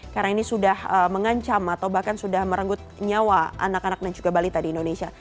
karena ini sudah mengancam atau bahkan sudah merenggut nyawa anak anak dan juga balita di indonesia